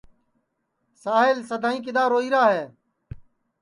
ساہیل سدائی کِدؔا روئی را ہے